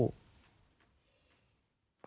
เงินกู้